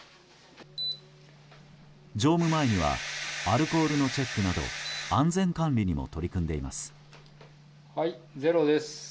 乗務前にはアルコールのチェックなど安全管理にも取り組んでいます。